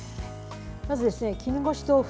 まず絹ごし豆腐。